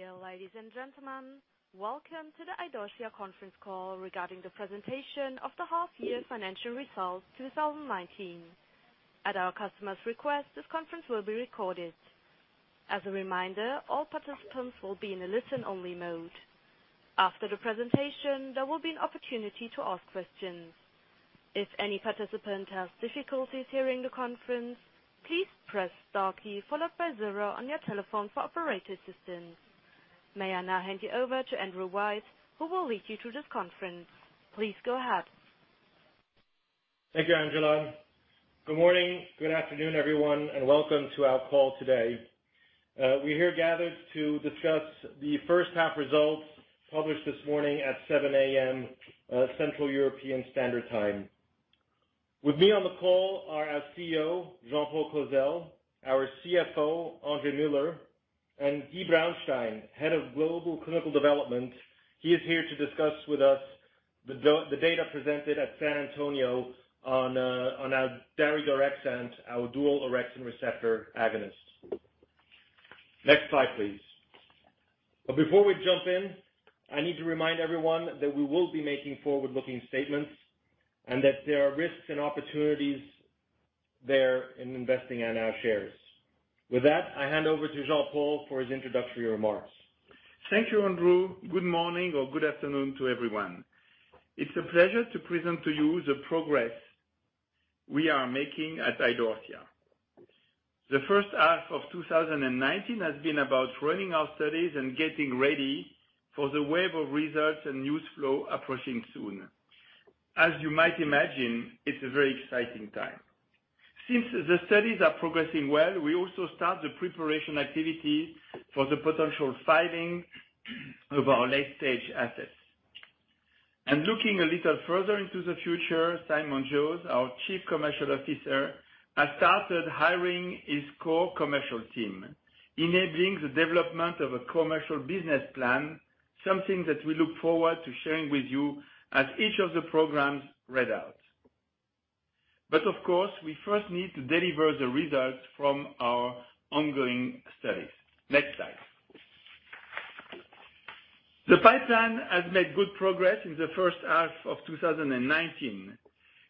Dear ladies and gentlemen, welcome to the Idorsia Conference Call regarding the presentation of the Half Year Financial Results, 2019. At our customer's request, this conference will be recorded. As a reminder, all participants will be in a listen-only mode. After the presentation, there will be an opportunity to ask questions. If any participant has difficulties hearing the conference, please press star key followed by zero on your telephone for operator assistance. May I now hand you over to Andrew Weiss, who will lead you through this conference. Please go ahead. Thank you, Angela. Good morning, good afternoon, everyone, welcome to our call today. We're here gathered to discuss the first half results published this morning at 7:00 A.M. Central European Standard Time. With me on the call are our CEO, Jean-Paul Clozel, our CFO, André Muller, and Guy Braunstein, Head of Global Clinical Development. He is here to discuss with us the data presented at San Antonio on our daridorexant, our dual orexin receptor antagonist. Next slide, please. Before we jump in, I need to remind everyone that we will be making forward-looking statements and that there are risks and opportunities there in investing in our shares. With that, I hand over to Jean-Paul for his introductory remarks. Thank you, Andrew. Good morning or good afternoon to everyone. It's a pleasure to present to you the progress we are making at Idorsia. The first half of 2019 has been about running our studies and getting ready for the wave of results and news flow approaching soon. As you might imagine, it's a very exciting time. Since the studies are progressing well, we also start the preparation activity for the potential filing of our late-stage assets. Looking a little further into the future, Simon Jose, our Chief Commercial Officer, has started hiring his core commercial team, enabling the development of a commercial business plan, something that we look forward to sharing with you as each of the programs read out. Of course, we first need to deliver the results from our ongoing studies. Next slide. The pipeline has made good progress in the first half of 2019.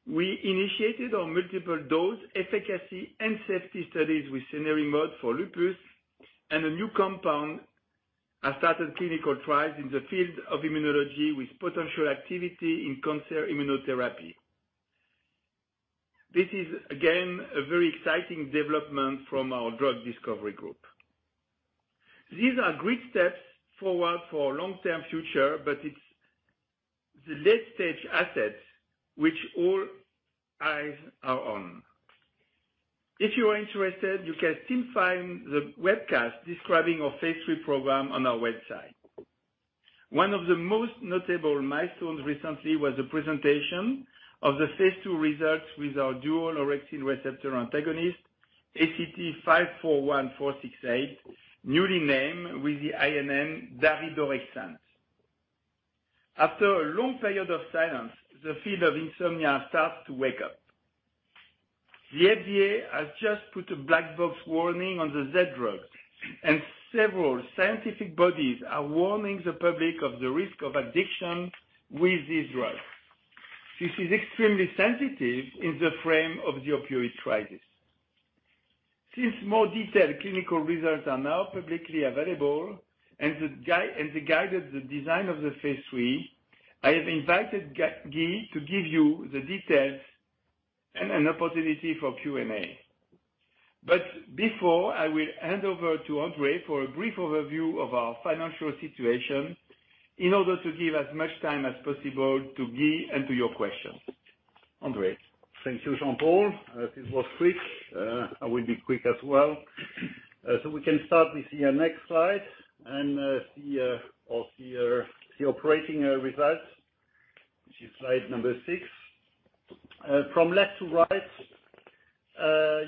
We initiated on multiple dose efficacy and safety studies with cenerimod for lupus. A new compound has started clinical trials in the field of immunology with potential activity in cancer immunotherapy. This is again, a very exciting development from our drug discovery group. These are great steps forward for long-term future. It's the late-stage assets which all eyes are on. If you are interested, you can still find the webcast describing our phase III program on our website. One of the most notable milestones recently was the presentation of the phase II results with our dual orexin receptor antagonist, ACT-541468, newly named with the INN, daridorexant. After a long period of silence, the field of insomnia starts to wake up. The FDA has just put a black box warning on the Z drug, and several scientific bodies are warning the public of the risk of addiction with this drug. This is extremely sensitive in the frame of the opioid crisis. Since more detailed clinical results are now publicly available and they guided the design of the phase III, I have invited Guy to give you the details and an opportunity for Q&A. Before, I will hand over to André for a brief overview of our financial situation in order to give as much time as possible to Guy and to your questions. André. Thank you, Jean-Paul. As it was quick, I will be quick as well. We can start with your next slide and see operating results, which is slide number six. From left to right,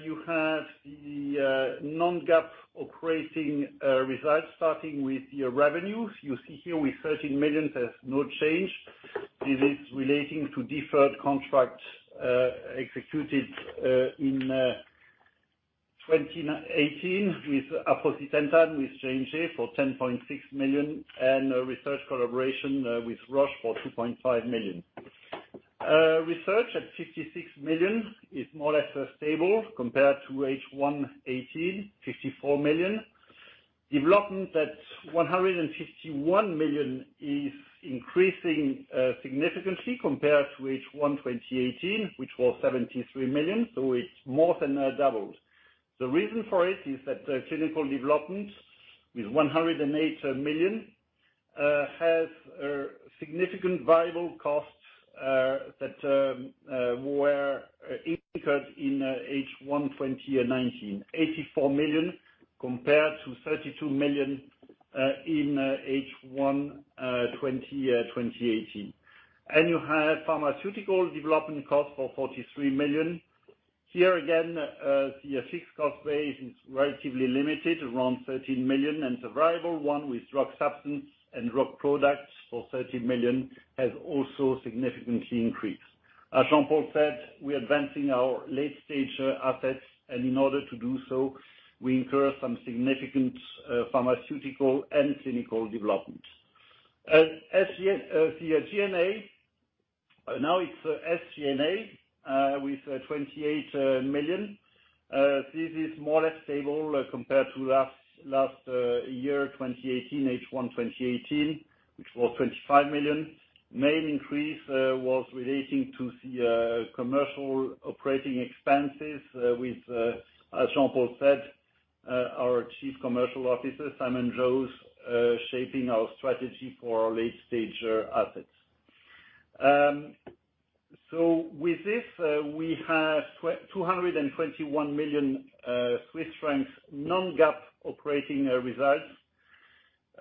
you have the non-GAAP operating results starting with your revenues. You see here with 13 million, there's no change. This is relating to deferred contracts executed in 2018 with aprocitentan, with J&J for 10.6 million, and a research collaboration with Roche for 2.5 million. Research at 56 million is more or less stable compared to H1 2018, 54 million. Development at 151 million is increasing significantly compared to H1 2018, which was 73 million, so it's more than doubled. The reason for it is that clinical development with 108 million, has significant variable costs that were incurred in H1 2019, 84 million compared to 32 million in H1 2018. You have pharmaceutical development cost for 43 million. Here again, the fixed cost base is relatively limited, around 13 million, and the variable one with drug substance and drug products for 13 million has also significantly increased. As Jean-Paul said, we are advancing our late-stage assets, and in order to do so, we incur some significant pharmaceutical and clinical development. The G&A, now it's SG&A, with 28 million. This is more or less stable compared to last year, 2018, H1 2018, which was 25 million. Main increase was relating to the commercial operating expenses with, as Jean-Paul said, our Chief Commercial Officer, Simon Jose, shaping our strategy for our late-stage assets. With this, we have 221 million Swiss francs non-GAAP operating results.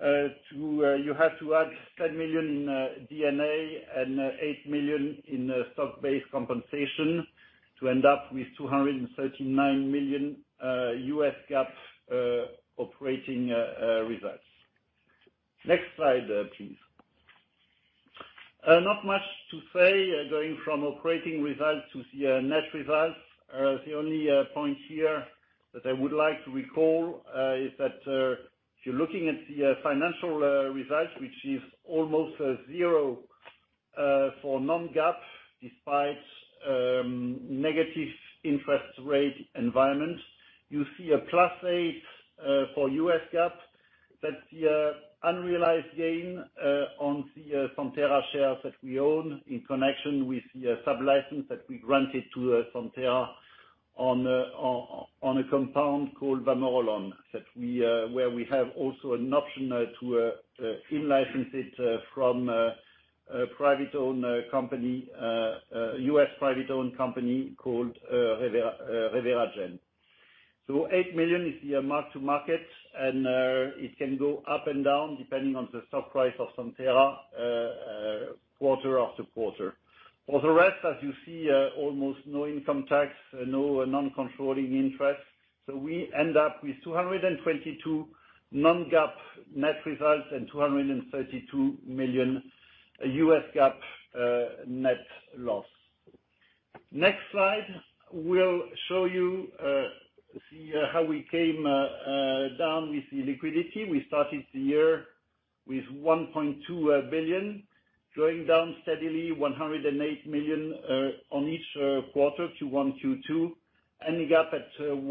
You have to add 10 million in D&A and 8 million in stock-based compensation to end up with 239 million US GAAP operating results. Next slide, please. Not much to say, going from operating results to see our net results. The only point here that I would like to recall is that if you're looking at the financial results, which is almost zero for non-GAAP, despite negative interest rate environment, you see a +8 for US GAAP. That's the unrealized gain on the Santhera shares that we own in connection with the sub-license that we granted to Santhera on a compound called vamorolone, where we have also an option to in-license it from a U.S. private-owned company called ReveraGen. 8 million is the mark to market, and it can go up and down depending on the stock price of Santhera quarter-after-quarter. For the rest, as you see, almost no income tax, no non-controlling interest. We end up with 222 non-GAAP net results and 232 million US GAAP net loss. Next slide will show you how we came down with the liquidity. We started the year with 1.2 billion, going down steadily, 108 million on each quarter, Q1, Q2, ending up at 1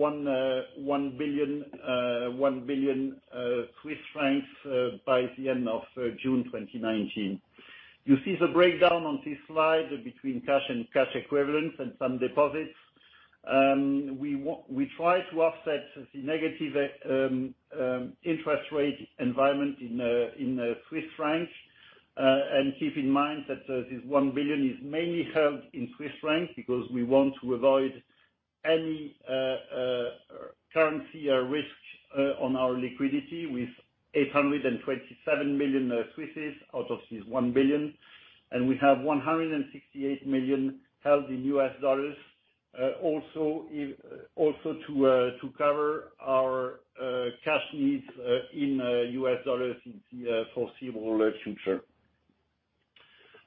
billion Swiss francs by the end of June 2019. You see the breakdown on this slide between cash and cash equivalents and some deposits. We try to offset the negative interest rate environment in the Swiss franc. Keep in mind that this 1 billion is mainly held in Swiss franc because we want to avoid any currency risks on our liquidity with 827 million out of this 1 billion. We have $168 million held in US dollars, also to cover our cash needs in US dollars in the foreseeable future.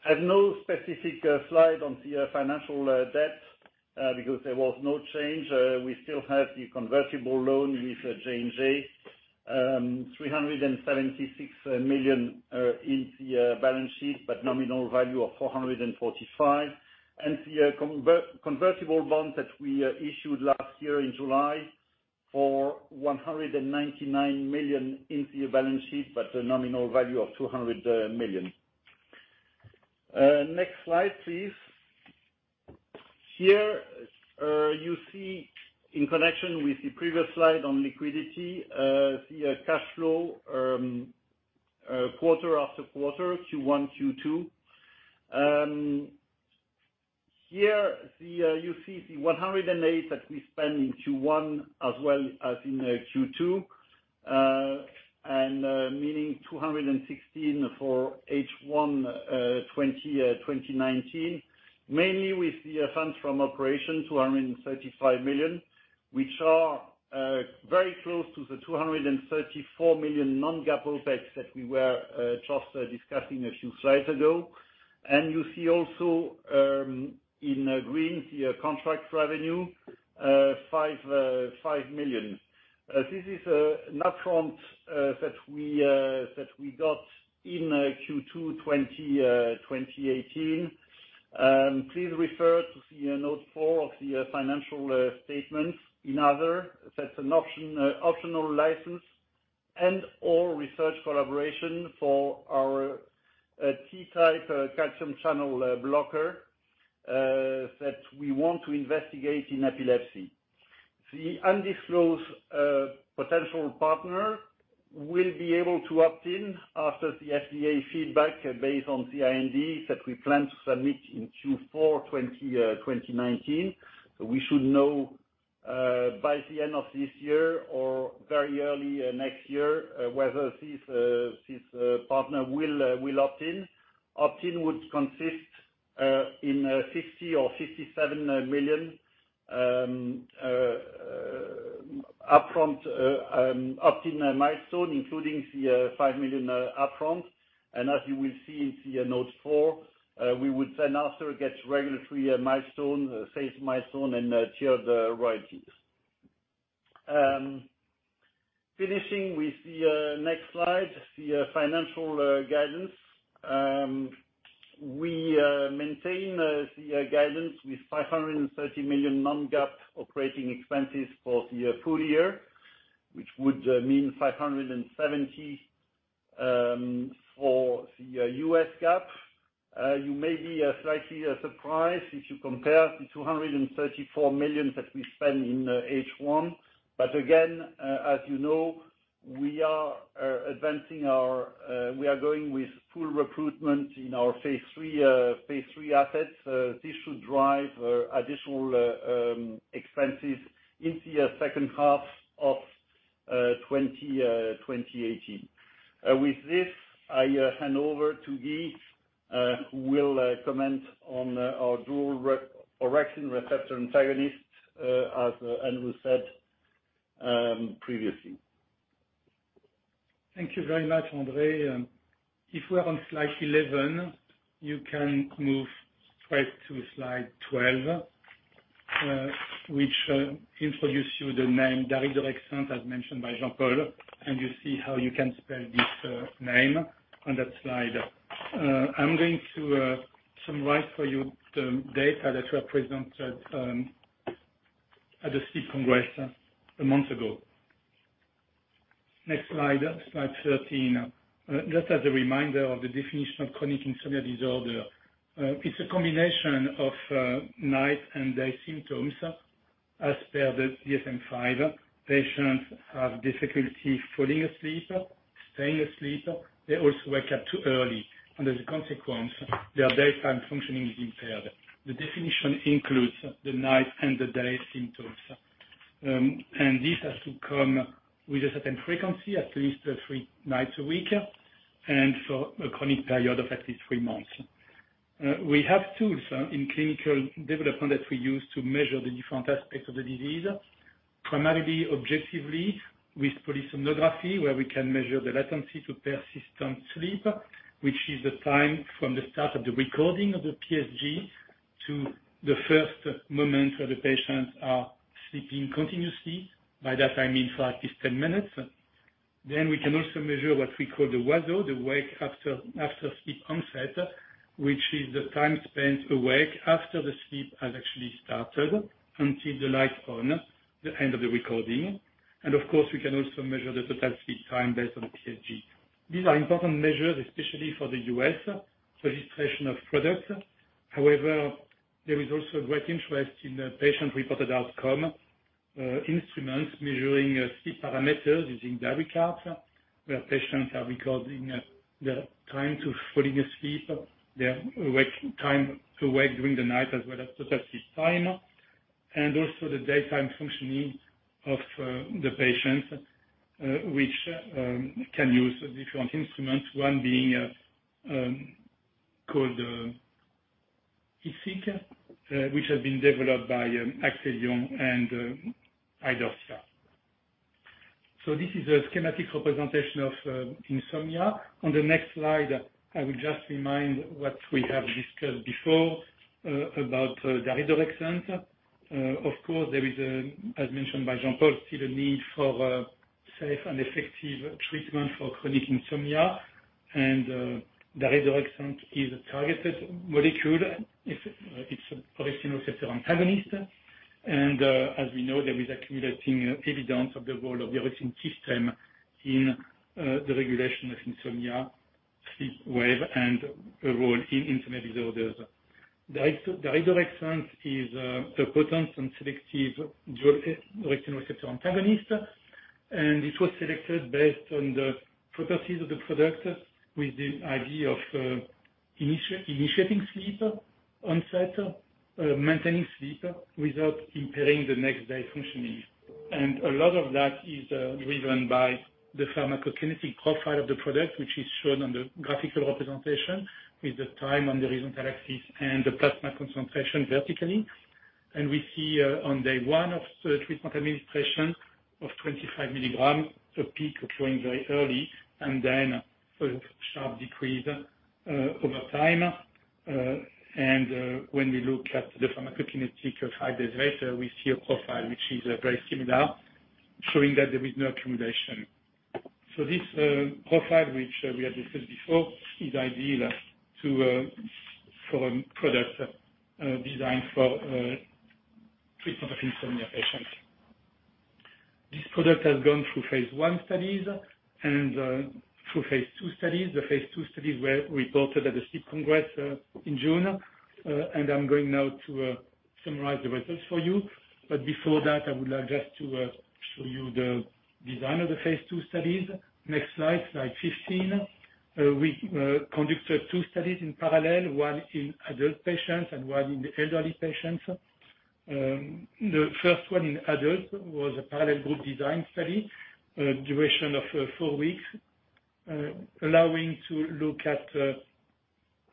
I have no specific slide on the financial debt because there was no change. We still have the convertible loan with J&J, 376 million in the balance sheet, but nominal value of 445 million, and the convertible bond that we issued last year in July for 199 million in the balance sheet, but a nominal value of 200 million. Next slide, please. Here, you see in connection with the previous slide on liquidity, the cash flow quarter-after-quarter, Q1, Q2. Here, you see the 108 million that we spend in Q1 as well as in Q2, meaning CHF 216 million for H1 2019, mainly with the funds from operations, 235 million, which are very close to the 234 million non-GAAP OpEx that we were just discussing a few slides ago. You see also in green, the contract revenue, 5 million. This is an upfront that we got in Q2 2018. Please refer to the note four of the financial statements. That's an optional license and/or research collaboration for our T-type calcium channel blocker that we want to investigate in epilepsy. The undisclosed potential partner will be able to opt in after the FDA feedback based on the IND that we plan to submit in Q4 2019. We should know by the end of this year or very early next year, whether this partner will opt in. Opt-in would consist in 50 or 57 million upfront opt-in milestone, including the 5 million upfront. As you will see in the note four, we would then also get regulatory milestone, phase milestone, and tiered royalties. Finishing with the next slide, the financial guidance. We maintain the guidance with 530 million non-GAAP operating expenses for the full year, which would mean 570 for the US GAAP. You may be slightly surprised if you compare the 234 million that we spent in H1. Again, as you know, we are going with full recruitment in our phase III assets. This should drive additional expenses into second half of 2018. With this, I hand over to Guy, who will comment on our dual orexin receptor antagonist, as Andrew said previously. Thank you very much, André. If we're on slide 11, you can move straight to slide 12, which introduce you the name daridorexant, as mentioned by Jean-Paul. You see how you can spell this name on that slide. I'm going to summarize for you the data that were presented at the Sleep Congress a month ago. Next slide 13. Just as a reminder of the definition of chronic insomnia disorder. It's a combination of night and day symptoms as per the DSM-5. Patients have difficulty falling asleep, staying asleep. They also wake up too early, and as a consequence, their daytime functioning is impaired. The definition includes the night and the day symptoms. This has to come with a certain frequency, at least three nights a week, and for a chronic period of at least three months. We have tools in clinical development that we use to measure the different aspects of the disease, primarily, objectively, with polysomnography, where we can measure the latency to persistent sleep, which is the time from the start of the recording of the PSG to the first moment where the patients are sleeping continuously. By that, I mean for at least 10 minutes. We can also measure what we call the WASO, the wake after sleep onset, which is the time spent awake after the sleep has actually started until the lights on, the end of the recording. Of course, we can also measure the total sleep time based on PSG. These are important measures, especially for the U.S. registration of product. However, there is also a great interest in the patient-reported outcome instruments measuring sleep parameters using diary cards, where patients are recording the time to falling asleep, their time to wake during the night, as well as total sleep time. Also the daytime functioning of the patients, which can use different instruments, one being called IDSIQ, which has been developed by Actelion and Idorsia. This is a schematic representation of insomnia. On the next slide, I will just remind what we have discussed before about daridorexant. There is, as mentioned by Jean-Paul, still a need for safe and effective treatment for chronic insomnia. Daridorexant is a targeted molecule. It's an orexin receptor antagonist. As we know, there is accumulating evidence of the role of the orexin system in the regulation of insomnia, sleep wave, and a role in intimate disorders. Daridorexant is a potent and selective orexin receptor antagonist. It was selected based on the properties of the product with the idea of initiating sleep onset, maintaining sleep without impairing the next day's functioning. A lot of that is driven by the pharmacokinetic profile of the product, which is shown on the graphical representation with the time on the horizontal axis and the plasma concentration vertically. We see on day one of treatment administration of 25 mg, a peak occurring very early and then sort of sharp decrease over time. When we look at the pharmacokinetic profile later, we see a profile which is very similar, showing that there is no accumulation. This profile, which we have discussed before, is ideal for a product designed for treatment of insomnia patients. This product has gone through phase I studies and through phase II studies. The phase II studies were reported at the Sleep Congress in June. I'm going now to summarize the results for you, but before that, I would like just to show you the design of the phase II studies. Next slide 15. We conducted two studies in parallel, one in adult patients and one in the elderly patients. The first one in adult was a parallel group design study, duration of four weeks, allowing to look at the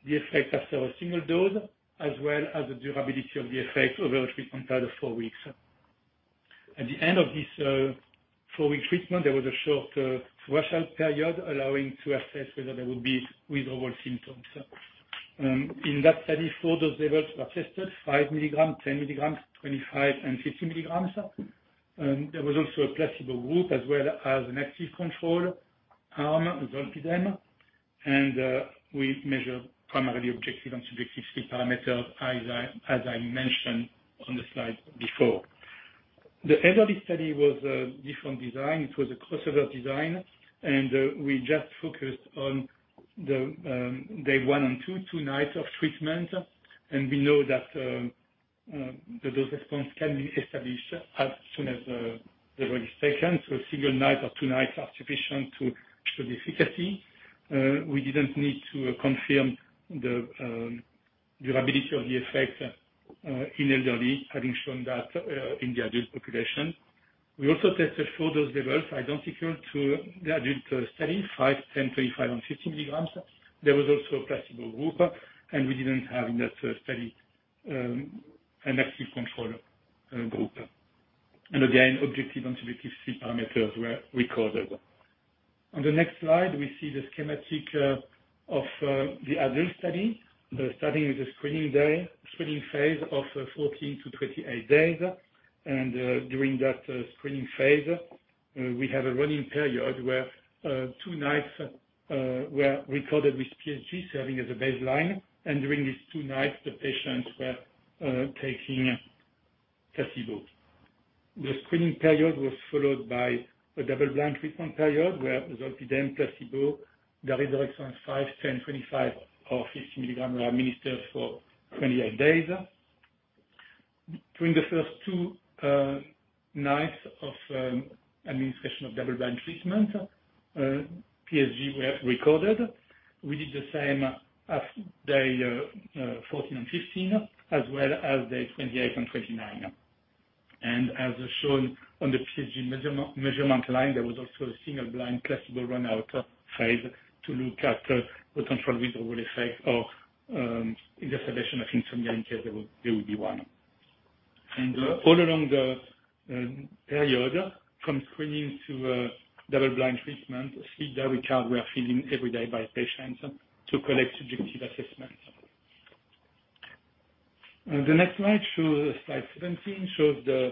effect after a single dose, as well as the durability of the effect over a treatment time of four weeks. At the end of this four-week treatment, there was a short washout period allowing to assess whether there would be withdrawal symptoms. In that study, four dose levels were tested, 5 mg, 10 mg, 25, and 50 mg. There was also a placebo group, as well as an active control arm, zolpidem. We measured primarily objective and subjective sleep parameters as I mentioned on the slide before. The end of this study was a different design. It was a crossover design. We just focused on the day one and two nights of treatment. We know that the dose response can be established as soon as the drug is taken. A single night or two nights are sufficient to show the efficacy. We didn't need to confirm the durability of the effect in elderly, having shown that in the adult population. We also tested four dose levels identical to the adult study, five, 10, 25, and 50 mg. There was also a placebo group. We didn't have in that study an active control group. Again, objective and subjective sleep parameters were recorded. On the next slide, we see the schematic of the adult study. The study is a screening phase of 14-28 days. During that screening phase, we have a running period where two nights were recorded with PSG serving as a baseline. During these two nights, the patients were taking placebo. The screening period was followed by a double-blind treatment period where zolpidem, placebo, daridorexant five, 10, 25, or 50 mg were administered for 28 days. During the first two nights of administration of double-blind treatment, PSG were recorded. We did the same as day 14 and 15, as well as day 28 and 29. As shown on the PSG measurement line, there was also a single-blind placebo run-out phase to look at the control withdrawal effect of the cessation of insomnia in case there would be one. All along the period, from screening to double-blind treatment, sleep diary card were filled in every day by patients to collect subjective assessments. The next slide 17, shows the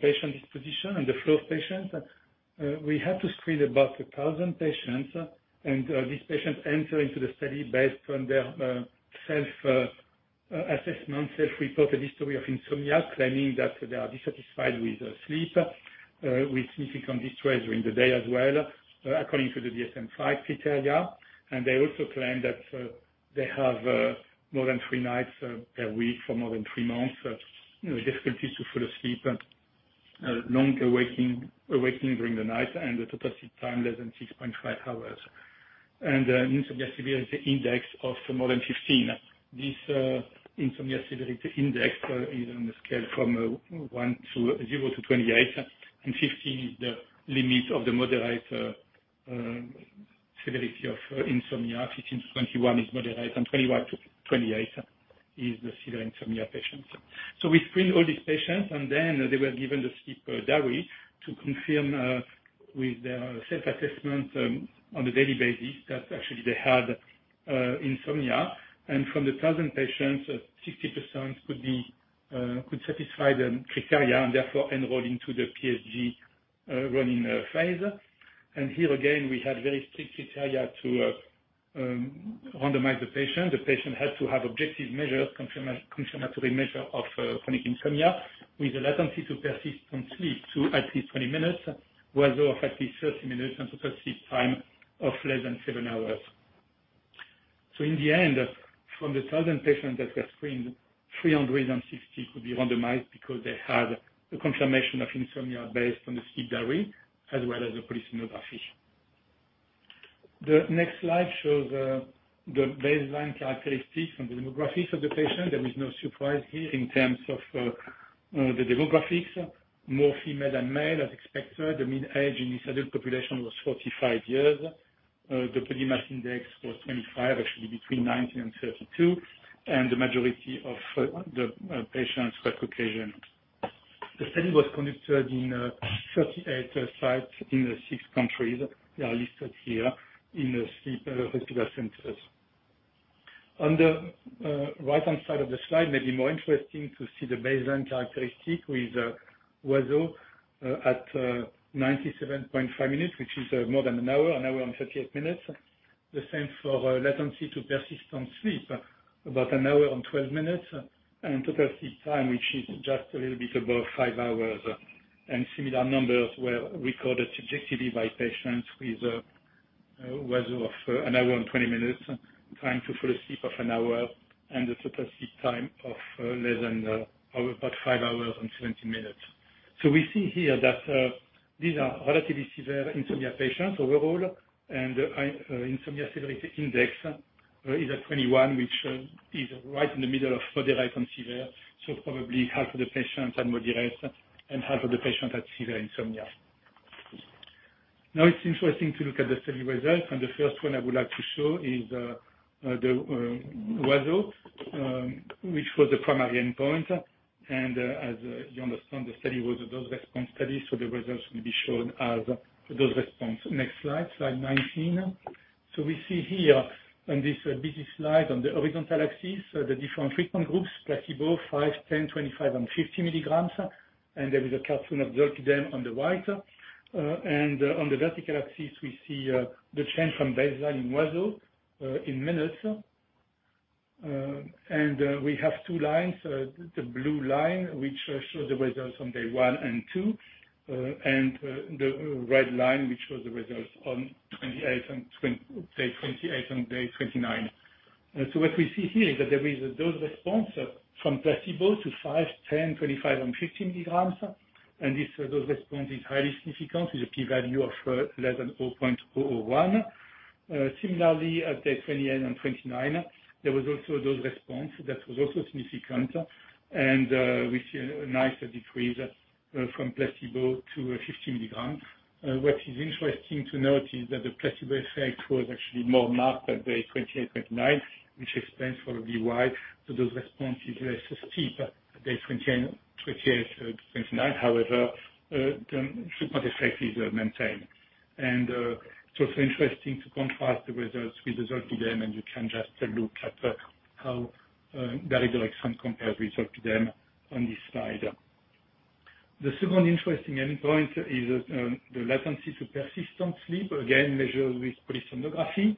patient disposition and the flow of patients. We had to screen about 1,000 patients, these patients enter into the study based on their self-assessment, self-reported history of insomnia, claiming that they are dissatisfied with sleep, with significant distress during the day as well, according to the DSM-5 criteria. They also claim that they have more than three nights per week for more than three months, difficulty to fall asleep, long awakening during the night, and the total sleep time less than 6.5 hours. Insomnia Severity Index of more than 15. This Insomnia Severity Index is on the scale from 1 to 0 to 28, and 15 is the limit of the moderate severity of insomnia. 15-21 is moderate, and 21-28 is the severe insomnia patients. We screen all these patients, and then they were given the sleep diary to confirm with their self-assessment on a daily basis that actually they had insomnia. From the 1,000 patients, 60% could satisfy the criteria and therefore enroll into the PSG running phase. Here again, we had very strict criteria to randomize the patient. The patient had to have objective confirmatory measure of chronic insomnia with a latency to persistent sleep to at least 20 minutes, was effective 30 minutes and total sleep time of less than seven hours. In the end, from the 1,000 patients that were screened, 360 could be randomized because they had a confirmation of insomnia based on the sleep diary as well as the polysomnography. The next slide shows the baseline characteristics and demographics of the patient. There is no surprise here in terms of the demographics. More female than male as expected. The mean age in this adult population was 45 years. The body mass index was 25, actually between 19 and 32, and the majority of the patients were Caucasian. The study was conducted in 38 sites in the six countries. They are listed here in the sleep hospital centers. On the right-hand side of the slide, maybe more interesting to see the baseline characteristic with WASO at 97.5 minutes, which is more than an hour, an hour and 38 minutes. The same for latency to persistent sleep, about an hour and 12 minutes, and total sleep time, which is just a little bit above five hours. Similar numbers were recorded subjectively by patients with a WASO of 1 hour and 20 minutes, time to fall asleep of 1 hour, and the total sleep time of less than about 5 hours and 70 minutes. We see here that these are relatively severe insomnia patients overall, and Insomnia Severity Index is at 21, which is right in the middle of moderate and severe. Probably half of the patients had moderate and half of the patients had severe insomnia. It's interesting to look at the study results, and the first one I would like to show is the WASO, which was the primary endpoint. As you understand, the study was a dose-response study, so the results will be shown as dose response. Next slide 19. We see here on this busy slide on the horizontal axis, the different treatment groups, placebo, 5, 10, 25, and 50 mg. There is a cartoon of zolpidem on the right. On the vertical axis, we see the change from baseline WASO in minutes. We have two lines, the blue line, which shows the results on day one and two, and the red line, which shows the results on day 28 and day 29. What we see here is that there is a dose response from placebo to 5, 10, 25, and 50 mg. This dose response is highly significant with a P value of less than 0.001. Similarly, at day 28 and 29, there was also a dose response that was also significant, and we see a nice decrease from placebo to 50 mg. What is interesting to note is that the placebo effect was actually more marked at day 28, 29, which explains probably why the dose response is less steep at day 28 and 29. The super effect is maintained. It's also interesting to contrast the results with zolpidem, and you can just look at how daridorexant compares with zolpidem on this slide. The second interesting endpoint is the latency to persistent sleep. Again, measured with polysomnography.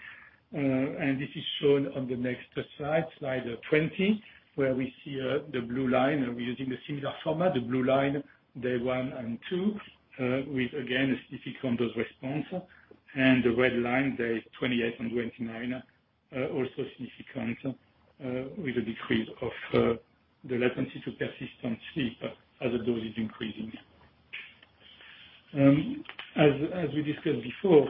This is shown on the next slide 20, where we see the blue line. We're using a similar format. The blue line, day one and two, with again, a significant dose response. The red line, day 28 and 29, also significant, with a decrease of the latency to persistent sleep as the dose is increasing. As we discussed before,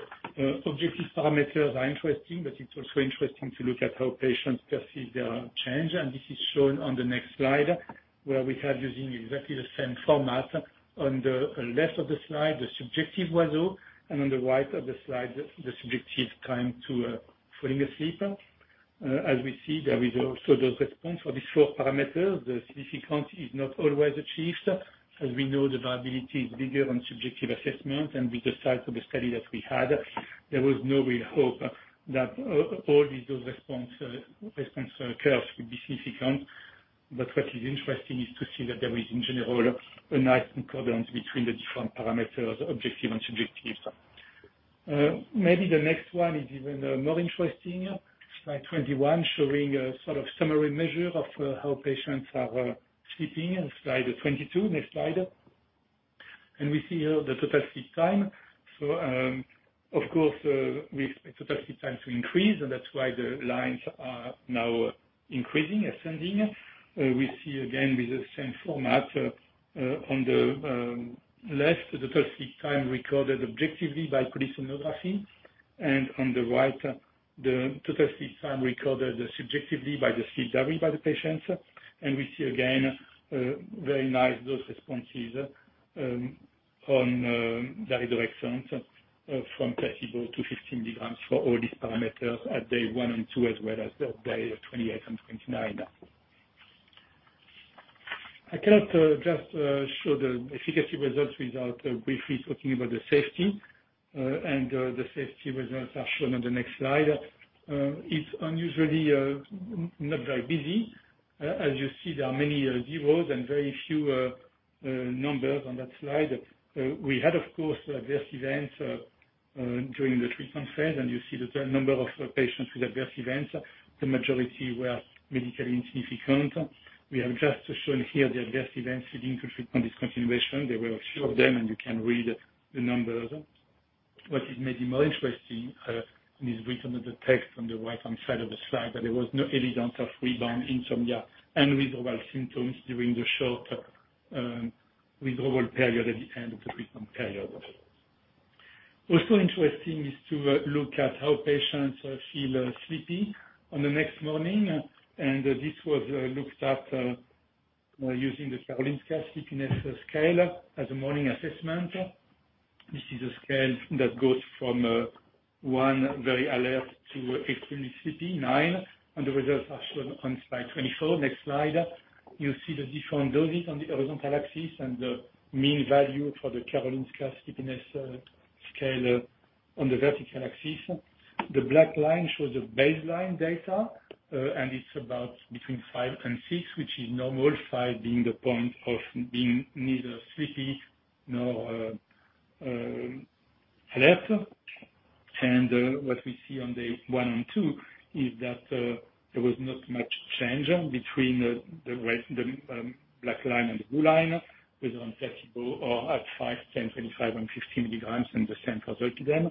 objective parameters are interesting, but it's also interesting to look at how patients perceive their change. This is shown on the next slide, where we have using exactly the same format. On the left of the slide, the subjective WASO, and on the right of the slide, the subjective time to falling asleep. As we see, there is also dose response for these four parameters. The significance is not always achieved. As we know, the variability is bigger on subjective assessment. With the size of the study that we had, there was no real hope that all these dose response curves would be significant. What is interesting is to see that there is in general, a nice concordance between the different parameters, objective and subjective. Maybe the next one is even more interesting. Slide 21, showing a sort of summary measure of how patients are sleeping. Slide 22, next slide. We see here the total sleep time. Of course, we expect total sleep time to increase, and that's why the lines are now increasing, ascending. We see again with the same format. On the left, the total sleep time recorded objectively by polysomnography. On the right, the total sleep time recorded subjectively by the sleep diary by the patients. We see again, very nice dose responses on daridorexant from placebo to 15 mg for all these parameters at day one and two, as well as at day 28 and 29. I cannot just show the efficacy results without briefly talking about the safety. The safety results are shown on the next slide. It's unusually not very busy. As you see, there are many zeros and very few numbers on that slide. We had, of course, adverse events during the treatment phase, and you see the number of patients with adverse events. The majority were medically insignificant. We have just shown here the adverse events leading to treatment discontinuation. There were a few of them, and you can read the numbers. What is maybe more interesting, and is written in the text on the right-hand side of the slide, that there was no evidence of rebound insomnia and withdrawal symptoms during the short withdrawal period at the end of the treatment period. Also interesting is to look at how patients feel sleepy on the next morning, and this was looked at using the Karolinska Sleepiness Scale as a morning assessment. This is a scale that goes from one, very alert, to extremely sleepy, nine, and the results are shown on slide 24. Next slide. You see the different doses on the horizontal axis and the mean value for the Karolinska Sleepiness Scale on the vertical axis. The black line shows the baseline data, and it's about between five and six, which is normal, five being the point of being neither sleepy nor alert. What we see on day one and two is that there was not much change between the black line and the blue line, whether on placebo or at five, 10, 25, and 50 mg in the same zolpidem.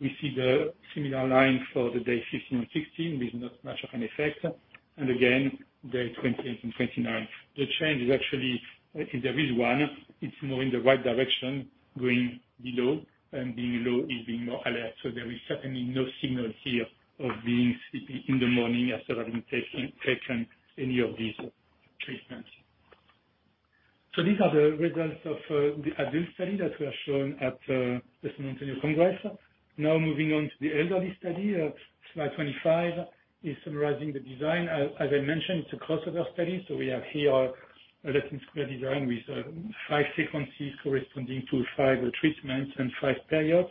We see the similar line for the day 15 and 16 with not much of an effect. Again, day 28 and 29. The change is actually, if there is one, it's more in the right direction, going below, and below is being more alert. There is certainly no signal here of being sleepy in the morning after having taken any of these treatments. These are the results of the adult study that were shown at the San Antonio Congress. Moving on to the elderly study. Slide 25 is summarizing the design. As I mentioned, it's a crossover study, we have here a Latin square design with five sequences corresponding to five treatments and five periods.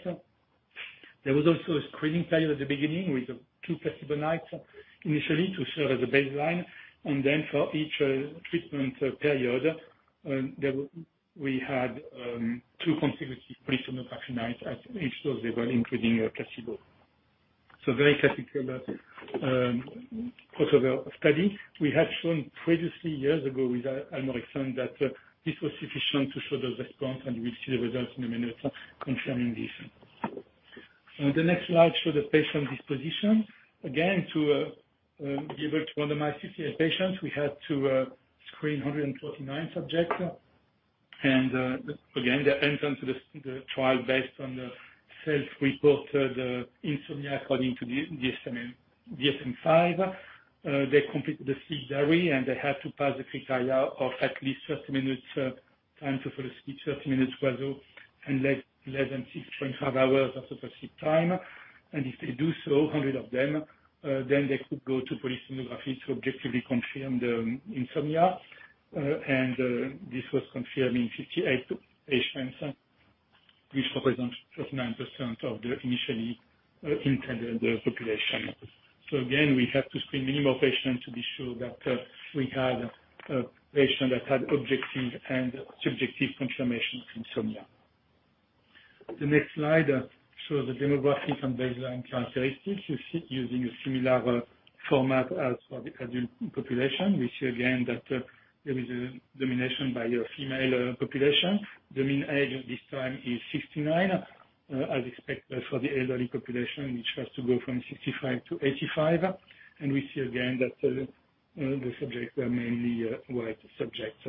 There was also a screening period at the beginning with two placebo nights initially to serve as a baseline, and then for each treatment period, we had two consecutive polysomnography nights at each of those, including placebo. Very classical crossover study. We had shown previously, years ago, with idoxuridine that this was sufficient to show the response, and we'll see the results in a minute confirming this. The next slide shows the patient dispositions. To be able to randomize 68 patients, we had to screen 139 subjects. The entrance to the trial based on the self-reported insomnia according to the DSM-5. They completed the sleep diary, and they had to pass the criteria of at least 30 minutes time to fall asleep, 30 minutes WASO, and less than 6.5 hours of total sleep time. They do so, 100 of them, then they could go to polysomnography to objectively confirm the insomnia. This was confirmed in 58 patients, which represents 39% of the initially intended population. Again, we had to screen many more patients to be sure that we had a patient that had objective and subjective confirmation of insomnia. The next slide shows the demographics and baseline characteristics using a similar format as for the adult population. We see again that there is a domination by a female population. The mean age this time is 69, as expected for the elderly population, which has to go from 65-85. We see again that the subjects were mainly White subjects.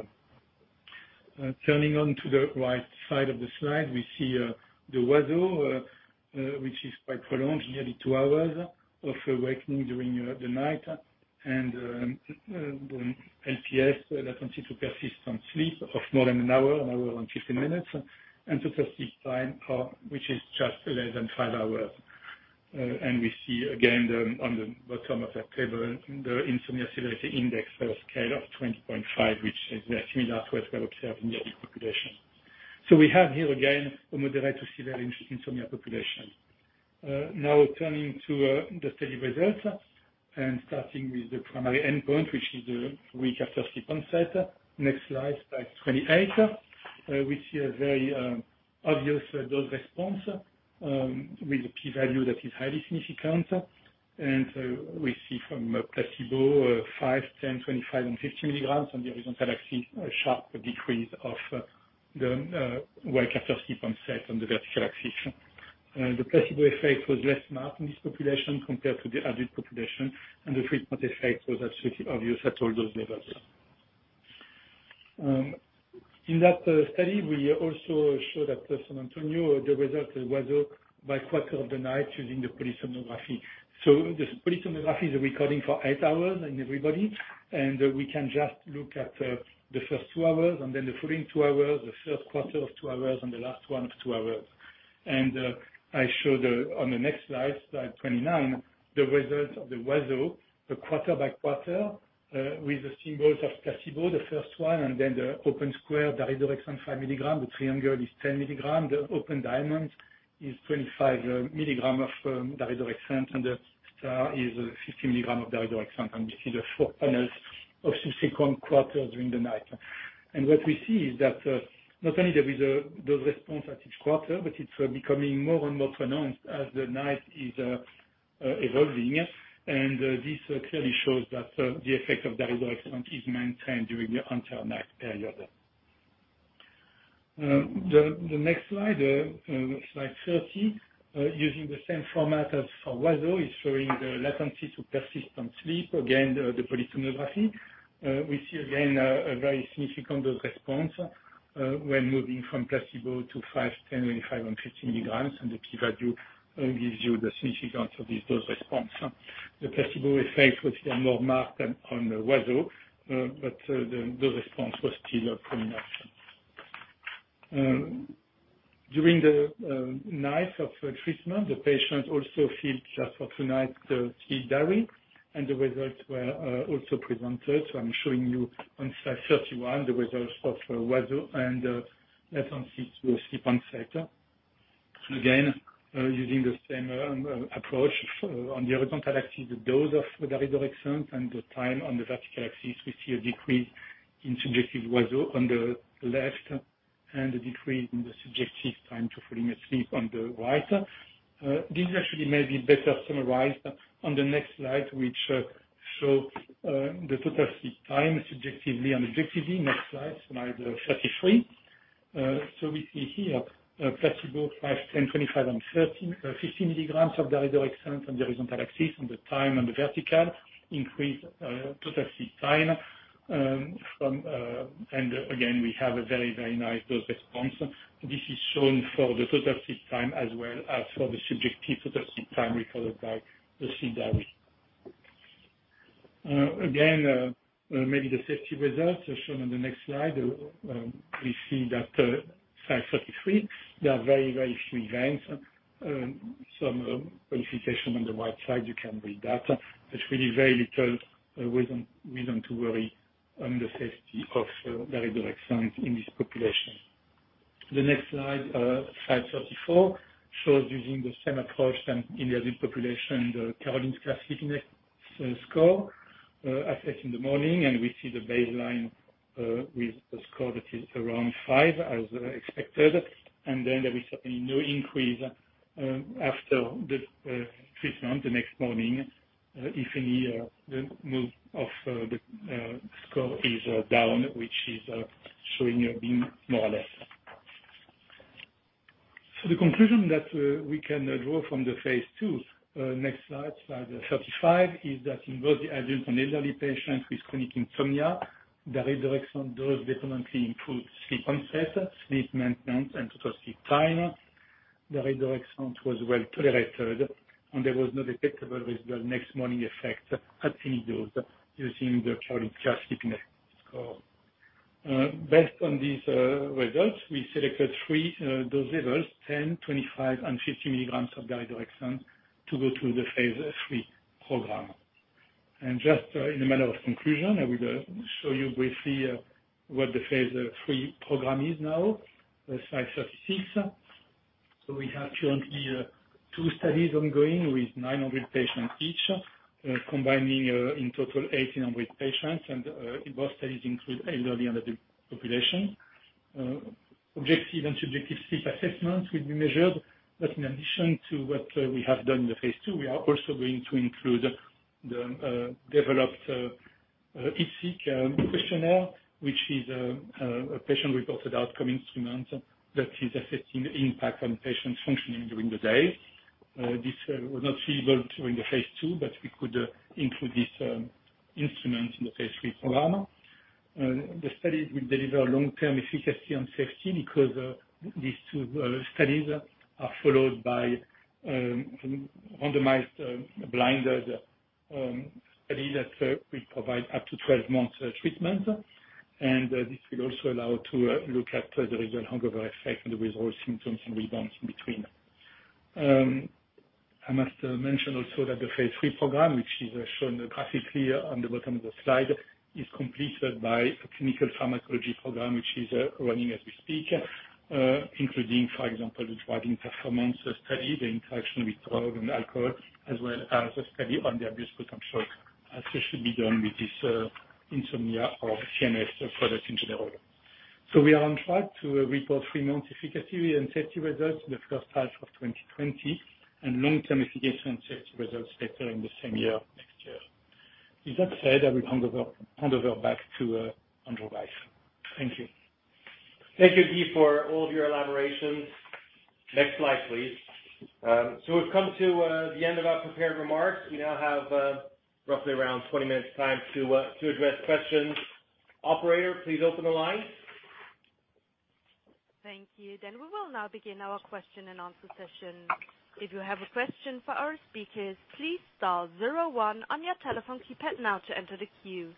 Turning on to the right side of the slide, we see the WASO, which is quite prolonged, nearly two hours of awakening during the night. The LPS, latency to persistent sleep, of more than an hour, an hour and 15 minutes. Total sleep time, which is just less than five hours. We see again, on the bottom of that table, the Insomnia Severity Index 20.5, which is similar to what we observed in the adult population. We have here, again, a moderate to severe insomnia population. Now turning to the study results and starting with the primary endpoint, which is awake after sleep onset. Next slide 28. We see a very obvious dose response with a P value that is highly significant. We see from placebo, five, 10, 25, and 50 mg on the horizontal axis, a sharp decrease of the wake after sleep onset on the vertical axis. The placebo effect was less marked in this population compared to the adult population, and the treatment effect was absolutely obvious at all those levels. In that study, we also showed at San Antonio the result, the WASO by quarter of the night using the polysomnography. The polysomnography is a recording for eight hours in everybody, we can just look at the first two hours, then the following two hours, the third quarter of two hours, and the last one of two hours. I show on the next slide 29, the results of the WASO, the quarter by quarter, with the symbols of placebo, the first one, then the open square, daridorexant 5 mg. The triangle is 10 milligrams. The open diamond is 25 milligrams of daridorexant, the star is 15 milligrams of daridorexant. We see the four panels of subsequent quarters during the night. What we see is that not only there is a dose response at each quarter, but it's becoming more and more pronounced as the night is evolving. This clearly shows that the effect of daridorexant is maintained during the entire night period. The next slide 30, using the same format as for WASO, is showing the latency to persistent sleep. Again, the polysomnography. We see again, a very significant dose response when moving from placebo to five, 10, 25, and 50 mg, and the P value gives you the significance of this dose response. The placebo effect was less marked on the WASO, but the dose response was still prominent. During the night of treatment, the patient also filled the sleep diary, and the results were also presented. I'm showing you on slide 31 the results of WASO and latency to sleep onset. Again, using the same approach. On the horizontal axis, the dose of daridorexant, and the time on the vertical axis. We see a decrease in subjective WASO on the left, and a decrease in the subjective time to falling asleep on the right. This actually may be better summarized on the next slide, which shows the total sleep time, subjectively and objectively. Next slide 33. We see here placebo, five, 10, 25, and 15 mg of daridorexant on the horizontal axis, and the time on the vertical. Increased total sleep time. Again, we have a very nice dose response. This is shown for the total sleep time as well as for the subjective total sleep time recorded by the sleep diary. Again, maybe the safety results are shown on the next slide. We see that slide 33, there are very few events. Some qualification on the right side, you can read that. There's really very little reason to worry on the safety of daridorexant in this population. The next slide 34, shows using the same approach as in the adult population, the Karolinska Sleepiness Scale, assessed in the morning. We see the baseline with a score that is around five, as expected. There is certainly no increase after the treatment the next morning. If any, the move of the score is down, which is showing you being more or less. The conclusion that we can draw from the phase II, next slide 35, is that in both the adult and elderly patients with chronic insomnia, daridorexant does definitely improve sleep onset, sleep maintenance, and total sleep time. Daridorexant was well-tolerated. There was no detectable residual next morning effect at any dose using the Karolinska Sleepiness Scale. Based on these results, we selected three dose levels, 10, 25, and 50 mg of daridorexant to go through the phase III program. Just in a matter of conclusion, I will show you briefly what the phase III program is now. Slide 36. We have shown here two studies ongoing with 900 patients each, combining in total 1,800 patients, and both studies include elderly and adult populations. Objective and subjective sleep assessments will be measured, in addition to what we have done in the phase II, we are also going to include the developed IDSIQ questionnaire, which is a patient-reported outcome instrument that is assessing the impact on patients functioning during the day. This was not feasible during the phase II, we could include this instrument in the phase III program. The study will deliver long-term efficacy and safety because these two studies are followed by a randomized, blinded study that will provide up to 12 months of treatment. This will also allow to look at the residual hangover effect and the withdrawal symptoms and rebounds in between. I must mention also that the phase III program, which is shown graphically on the bottom of the slide, is completed by a clinical pharmacology program, which is running as we speak, including, for example, the driving performance study, the interaction with drug and alcohol, as well as a study on the abuse potential, as should be done with this insomnia or CNS product in general. We are on track to report three-month efficacy and safety results in the first half of 2020, and long-term efficacy and safety results later in the same year, next year. With that said, I will hand over back to Andrew Weiss. Thank you. Thank you, Guy, for all of your elaborations. Next slide, please. We've come to the end of our prepared remarks. We now have roughly around 20 minutes time to address questions. Operator, please open the lines. Thank you. We will now begin our question and answer session. If you have a question for our speakers, please dial zero one on your telephone keypad now to enter the queue.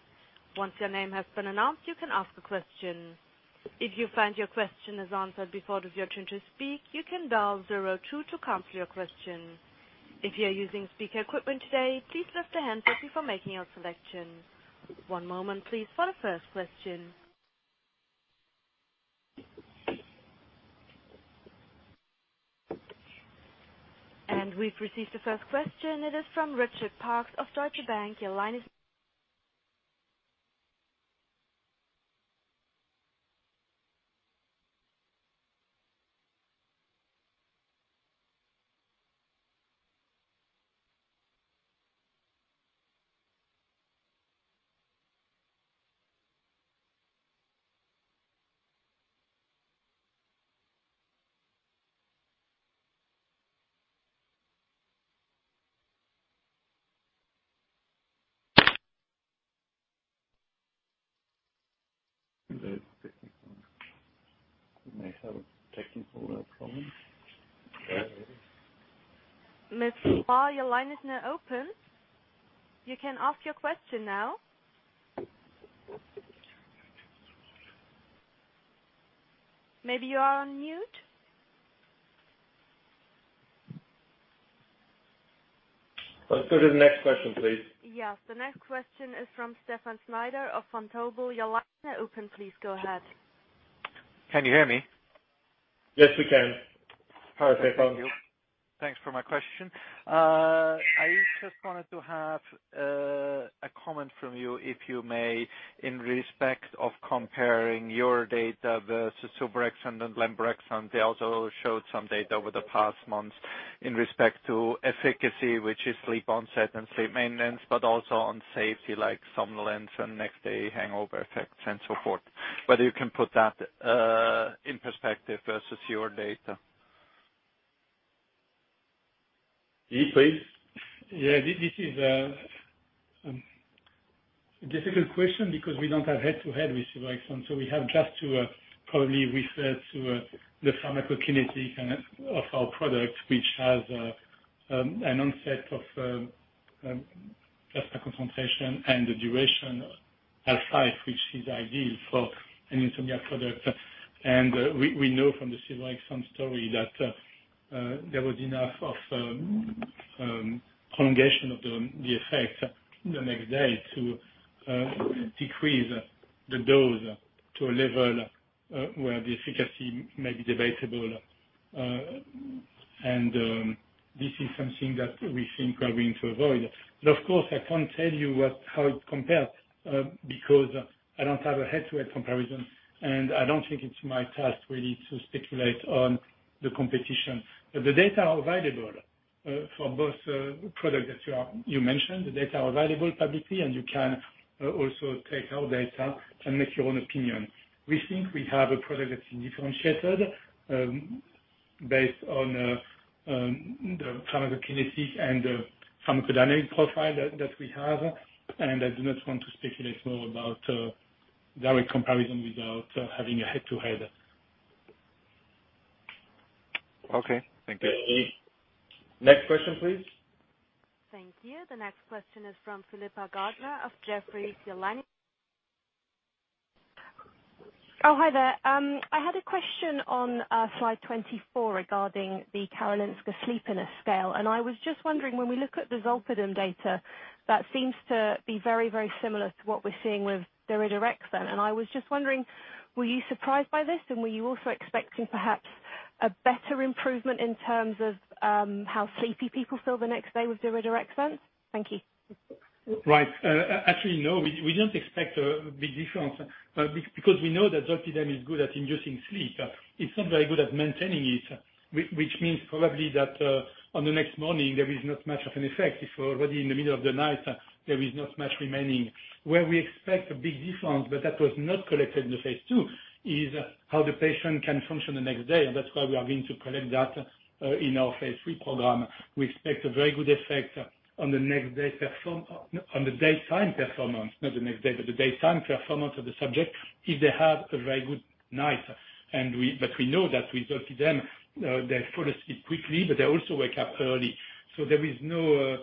Once your name has been announced, you can ask a question. If you find your question is answered before it is your turn to speak, you can dial zero two to cancel your question. If you are using speaker equipment today, please lift the hand before making your selection. One moment, please, for the first question. We've received the first question. It is from Richard Parkes of Deutsche Bank. Your line is We may have technical problems. Mr. Parkes, your line is now open. You can ask your question now. Maybe you are on mute? Let's go to the next question, please. Yes. The next question is from Stefan Schneider of Vontobel. Your line is now open please, go ahead. Can you hear me? Yes, we can. Perfect. Thank you. Thanks for my question. I just wanted to have a comment from you, if you may, in respect of comparing your data versus suvorexant and lemvorexant. They also showed some data over the past months in respect to efficacy, which is sleep onset and sleep maintenance, but also on safety, like somnolence and next day hangover effects and so forth. Whether you can put that in perspective versus your data? Guy, please. Yeah. This is a difficult question, because we don't have head-to-head with suvorexant. We have just to probably refer to the pharmacokinetics of our product, which has an onset of plasma concentration and the duration at five, which is ideal for an insomnia product. We know from the suvorexant story that there was enough of prolongation of the effect the next day to decrease the dose to a level where the efficacy may be debatable. This is something that we think we are going to avoid. Of course, I can't tell you how it compares, because I don't have a head-to-head comparison, and I don't think it's my task really to speculate on the competition. The data are available for both products that you mentioned. The data are available publicly, and you can also take our data and make your own opinion. We think we have a product that's differentiated, based on the pharmacokinetics and the pharmacodynamic profile that we have. I do not want to speculate more about direct comparison without having a head-to-head. Okay. Thank you. Next question, please. Thank you. The next question is from Philippa Gardner of Jefferies. Your line- Oh, hi there. I had a question on slide 24 regarding the Karolinska Sleepiness Scale. I was just wondering, when we look at the zolpidem data, that seems to be very similar to what we're seeing with daridorexant. I was just wondering, were you surprised by this, and were you also expecting perhaps a better improvement in terms of how sleepy people feel the next day with daridorexant? Thank you. Right. Actually, no. We don't expect a big difference, because we know that zolpidem is good at inducing sleep. It's not very good at maintaining it, which means probably that on the next morning, there is not much of an effect. If already in the middle of the night, there is not much remaining. Where we expect a big difference, but that was not collected in the phase II, is how the patient can function the next day. That's why we are going to collect data in our phase III program. We expect a very good effect on the daytime performance of the subject, if they have a very good night. We know that with zolpidem, they fall asleep quickly, but they also wake up early. There is no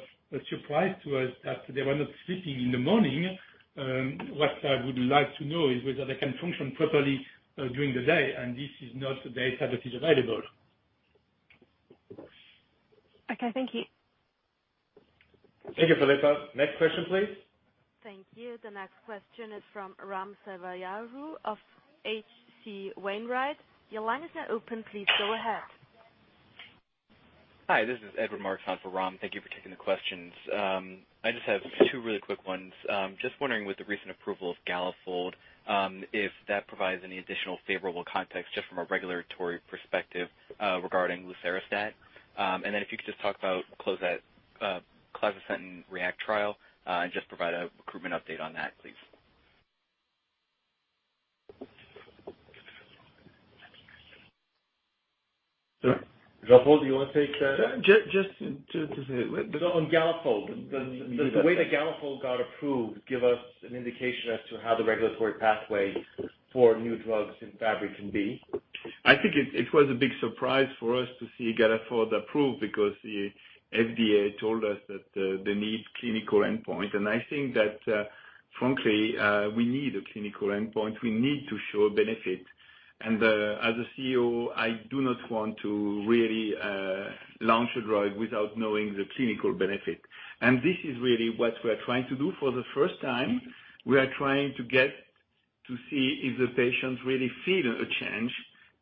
surprise to us that they were not sleeping in the morning. What I would like to know is whether they can function properly during the day, and this is not data that is available. Okay. Thank you. Thank you, Philippa. Next question, please. Thank you. The next question is from Ram Selvaraju of H.C. Wainwright. Your line is now open. Please go ahead. Hi, this is Edward Marks on for Ram. Thank you for taking the questions. I just have two really quick ones. Just wondering, with the recent approval of Galafold, if that provides any additional favorable context just from a regulatory perspective regarding lucerastat. Then if you could just talk about clazosentan REACT trial, and just provide a recruitment update on that, please. Jean-Paul, do you want to take that? Just to say. On Galafold. Does the way that Galafold got approved give us an indication as to how the regulatory pathway for new drugs in Fabry can be? I think it was a big surprise for us to see Galafold approved, because the FDA told us that they need clinical endpoint. I think that, frankly, we need a clinical endpoint. We need to show benefit. As a CEO, I do not want to really launch a drug without knowing the clinical benefit. This is really what we're trying to do. For the first time, we are trying to get to see if the patients really feel a change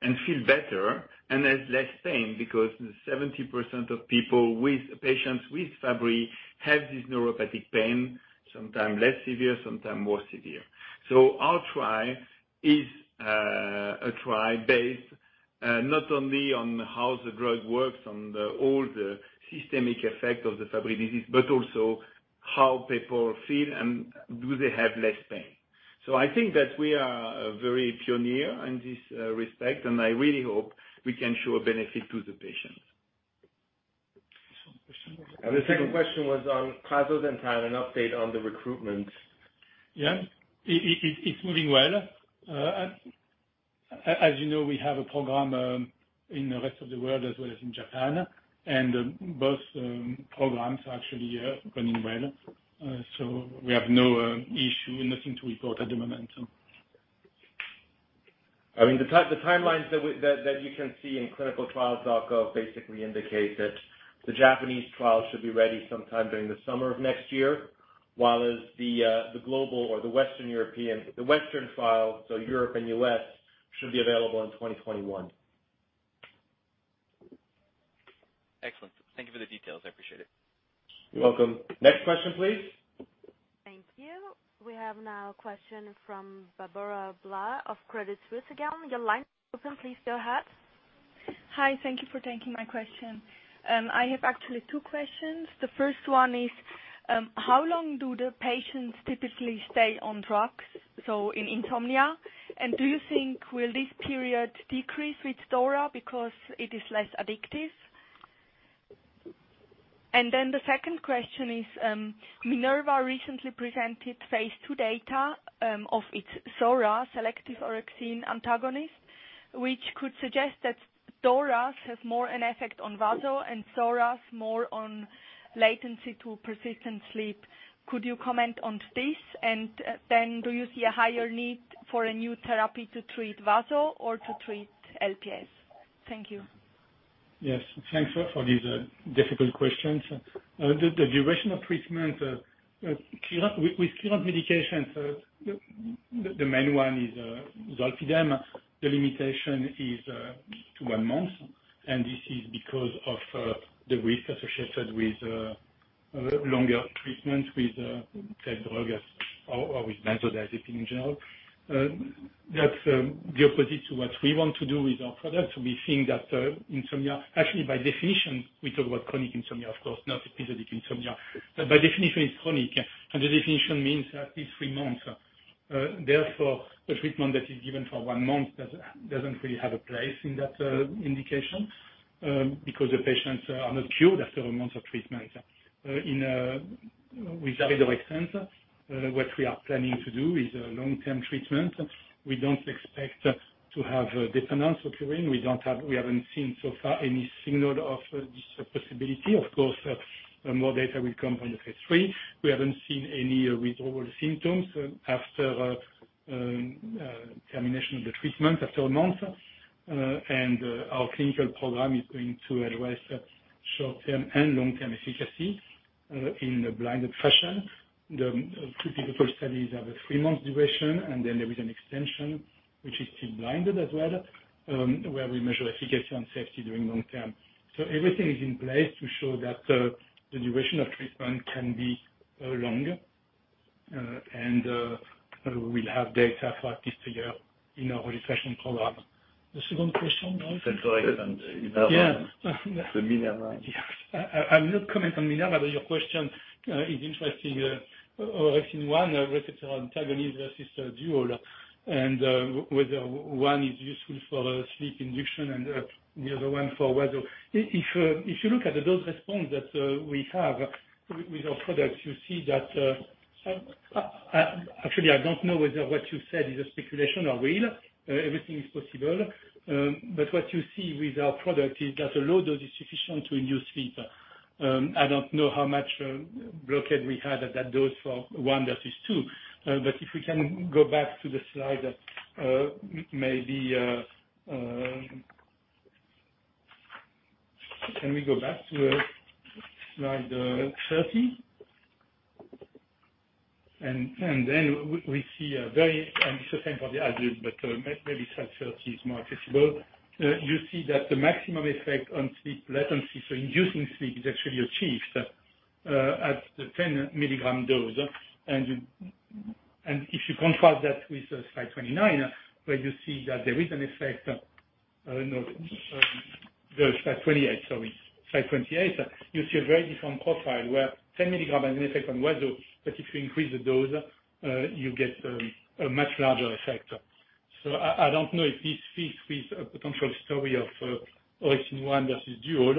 and feel better and have less pain, because 70% of patients with Fabry have this neuropathic pain, sometimes less severe, sometimes more severe. Our trial is a trial based not only on how the drug works on all the systemic effect of the Fabry disease, but also how people feel, and do they have less pain. I think that we are very pioneer in this respect, and I really hope we can show a benefit to the patients. The second question was on clazosentan, an update on the recruitment. It's moving well. As you know, we have a program in the rest of the world as well as in Japan, both programs are actually running well. We have no issue, nothing to report at the moment. The timelines that you can see in clinicaltrials.gov basically indicate that the Japanese trial should be ready sometime during the summer of next year, whereas the global or the Western file, so Europe and U.S., should be available in 2021. Excellent. Thank you for the details. I appreciate it. You're welcome. Next question, please. Thank you. We have now a question from Barbora Blaha of Credit Suisse again. Your line is open. Please go ahead. Hi. Thank you for taking my question. I have actually two questions. The first one is, how long do the patients typically stay on drugs, so in insomnia? Do you think will this period decrease with DORA because it is less addictive? The second question is, Minerva recently presented phase II data of its SORA, selective orexin antagonist, which could suggest that DORA has more an effect on WASO and SORA's more on latency to persistent sleep. Could you comment on this? Do you see a higher need for a new therapy to treat WASO or to treat LPS? Thank you. Yes. Thanks for these difficult questions. The duration of treatment, with current medications, the main one is zolpidem. This is because of the risk associated with longer treatment with that drug or with benzodiazepine in general. That's the opposite to what we want to do with our product. We think that insomnia, actually, by definition, we talk about chronic insomnia, of course, not episodic insomnia. By definition, it's chronic, and the definition means at least three months. Therefore, a treatment that is given for one month doesn't really have a place in that indication, because the patients are not cured after one month of treatment. With daridorexant, what we are planning to do is a long-term treatment. We don't expect to have dependence occurring. We haven't seen so far any signal of this possibility. Of course, more data will come from the phase III. We haven't seen any withdrawal symptoms after termination of the treatment after a month. Our clinical program is going to address short-term and long-term efficacy, in a blinded fashion. The two difficult studies have a three-month duration, and then there is an extension, which is still blinded as well, where we measure efficacy and safety during long-term. Everything is in place to show that the duration of treatment can be longer, and we'll have data for this figure in our refreshing program. The second question was? Daridorexant. Yeah. For Minerva. Yes. I will not comment on Minerva, but your question is interesting. Orexin one receptor antagonist versus dual, and whether one is useful for sleep induction and the other one for wakefulness. If you look at the dose response that we have with our product, you see that actually, I don't know whether what you said is a speculation or real. Everything is possible. What you see with our product is that a low dose is sufficient to induce sleep. I don't know how much blockade we had at that dose for one versus two. If we can go back to the slide, maybe. Can we go back to slide 30? We see a very, and it's the same for the others, but maybe slide 30 is more accessible. You see that the maximum effect on sleep latency for inducing sleep is actually achieved at the 10 mg dose. If you contrast that with slide 29, where you see that there is an effect. Slide 28, you see a very different profile where 10 mg has an effect on wakefulness, if you increase the dose, you get a much larger effect. I don't know if this fits with a potential story of orexin 1 versus dual.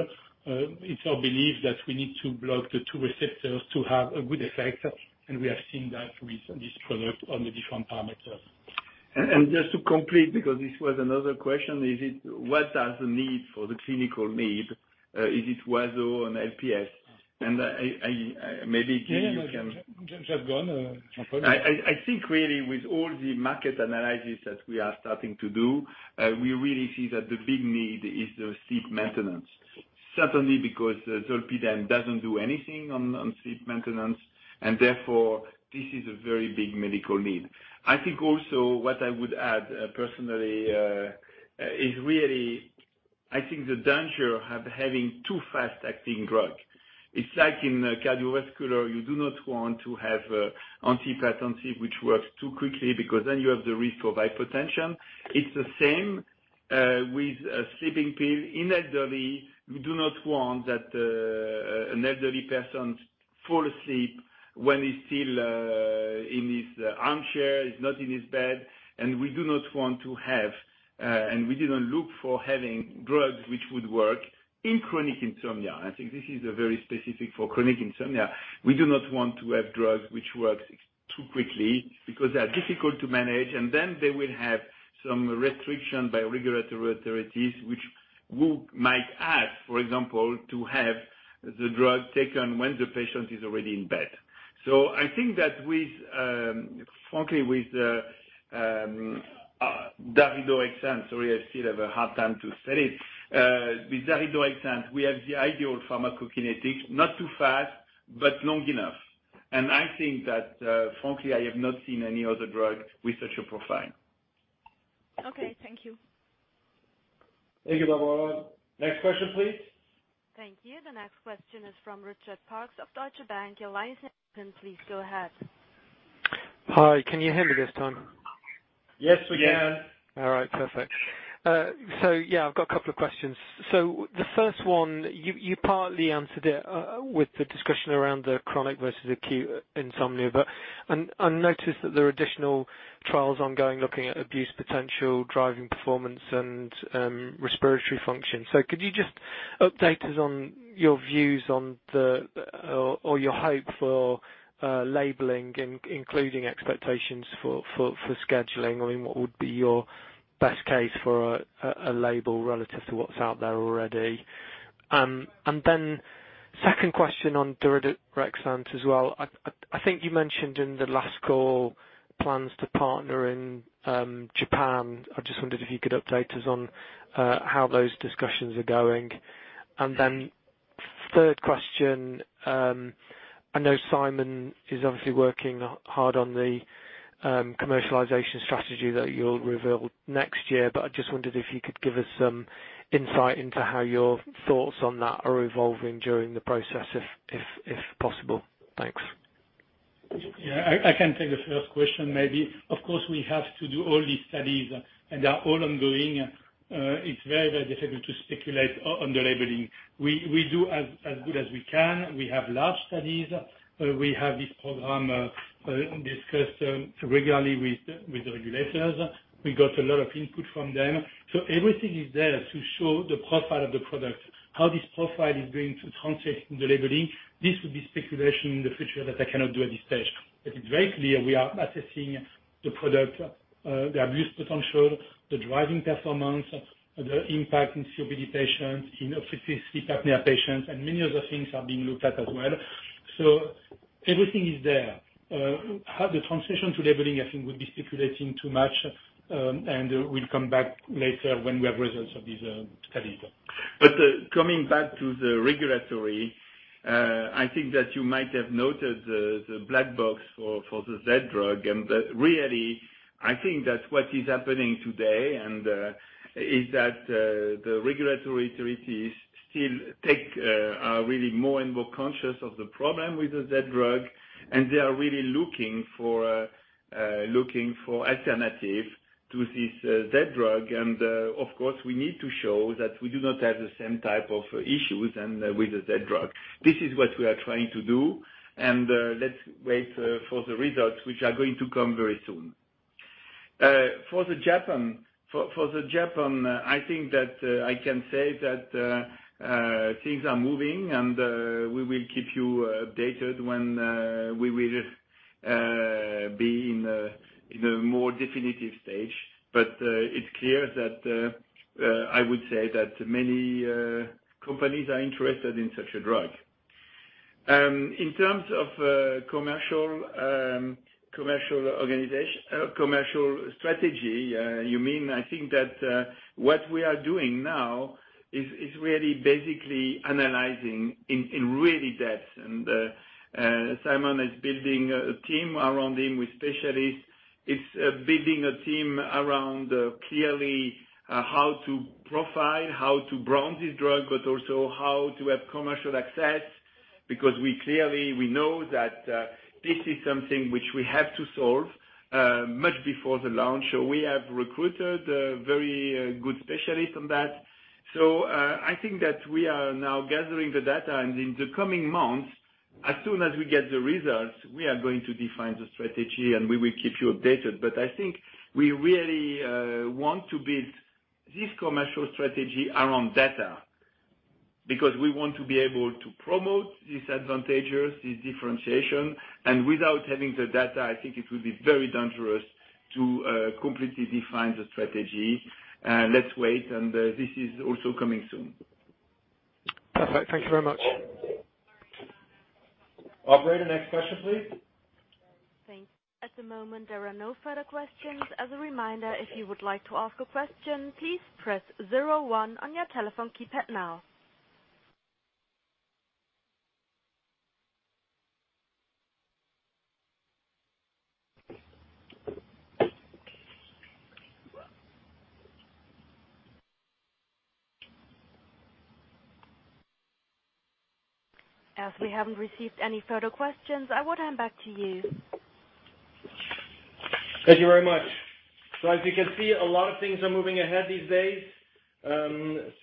It's our belief that we need to block the two receptors to have a good effect, and we have seen that with this product on the different parameters. Just to complete, because this was another question, what does the need for the clinical need, is it WASO or LPS? Yeah. Just go on, Jean-Paul. I think really with all the market analysis that we are starting to do, we really see that the big need is the sleep maintenance. Certainly, because zolpidem doesn't do anything on sleep maintenance, and therefore, this is a very big medical need. I think also what I would add personally is really, I think the danger of having too fast-acting drug. It's like in cardiovascular, you do not want to have antihypertensive which works too quickly because then you have the risk of hypotension. It's the same with a sleeping pill. In elderly, we do not want that an elderly person fall asleep when he's still in his armchair, he's not in his bed, and we do not want to have, and we didn't look for having drugs which would work in chronic insomnia. I think this is a very specific for chronic insomnia. We do not want to have drugs which works too quickly because they are difficult to manage, and then they will have some restriction by regulatory authorities, which might ask, for example, to have the drug taken when the patient is already in bed. I think that frankly, with daridorexant, sorry, I still have a hard time to say it. With daridorexant, we have the ideal pharmacokinetics, not too fast, but long enough. I think that, frankly, I have not seen any other drug with such a profile. Okay. Thank you. Thank you, Barbora. Next question, please. Thank you. The next question is from Richard Parkes of Deutsche Bank. Your line is open. Please go ahead. Hi. Can you hear me this time? Yes, we can. All right, perfect. Yeah, I've got a couple of questions. The first one, you partly answered it with the discussion around the chronic versus acute insomnia, but I noticed that there are additional trials ongoing looking at abuse potential, driving performance, and respiratory function. Could you just update us on your views or your hope for labeling, including expectations for scheduling? I mean, what would be your best case for a label relative to what's out there already? Second question on daridorexant as well. I think you mentioned in the last call plans to partner in Japan. I just wondered if you could update us on how those discussions are going. Third question, I know Simon is obviously working hard on the commercialization strategy that you'll reveal next year. I just wondered if you could give us some insight into how your thoughts on that are evolving during the process, if possible. Thanks. I can take the first question, maybe. Of course, we have to do all these studies, and they are all ongoing. It's very difficult to speculate on the labeling. We do as good as we can. We have large studies. We have this program discussed regularly with the regulators. We got a lot of input from them. Everything is there to show the profile of the product. How this profile is going to translate in the labeling, this would be speculation in the future that I cannot do at this stage. It's very clear we are assessing the product, the abuse potential, the driving performance, the impact in COPD patients, in obstructive sleep apnea patients, and many other things are being looked at as well. Everything is there. How the translation to labeling, I think would be speculating too much, and we'll come back later when we have results of these studies. Coming back to the regulatory, I think that you might have noted the black box for the Z drug. Really, I think that what is happening today and is that the regulatory authorities still take really more and more conscious of the problem with the Z drug, and they are really looking for alternative to this Z drug. Of course, we need to show that we do not have the same type of issues with the Z drug. This is what we are trying to do, and let's wait for the results, which are going to come very soon. For the Japan, I think that I can say that things are moving, and we will keep you updated when we will be in a more definitive stage. It's clear that I would say that many companies are interested in such a drug. In terms of commercial strategy, you mean, I think that what we are doing now is really basically analyzing in really depth. Simon is building a team around him with specialists. He's building a team around clearly how to profile, how to brand this drug, but also how to have commercial access, because we clearly know that this is something which we have to solve much before the launch. We have recruited a very good specialist on that. I think that we are now gathering the data, and in the coming months, as soon as we get the results, we are going to define the strategy, and we will keep you updated. I think we really want to build this commercial strategy around data because we want to be able to promote these advantages, this differentiation. Without having the data, I think it will be very dangerous to completely define the strategy. Let's wait, and this is also coming soon. Perfect. Thank you very much. Operator, next question, please. Thanks. At the moment, there are no further questions. As a reminder, if you would like to ask a question, please press zero one on your telephone keypad now. As we haven't received any further questions, I will hand back to you. Thank you very much. As you can see, a lot of things are moving ahead these days.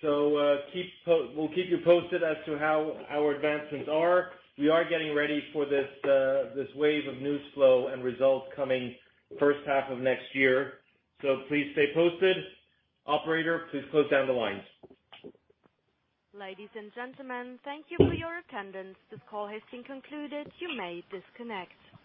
We'll keep you posted as to how our advancements are. We are getting ready for this wave of news flow and results coming first half of next year. Please stay posted. Operator, please close down the lines. Ladies and gentlemen, thank you for your attendance. This call has been concluded. You may disconnect.